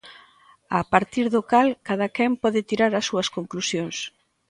A partir do cal cadaquén "pode tirar as súas conclusións".